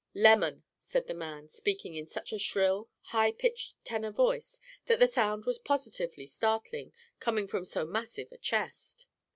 "Lemon," said the man, speaking in such a shrill, high pitched tenor voice that the sound was positively startling, coming from so massive a chest.